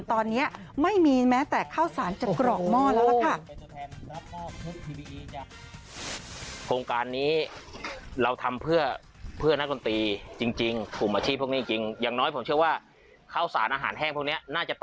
ตอนนี้ไม่มีแม้แต่ข้าวสารจะกรอกหม้อแล้วล่ะค่ะ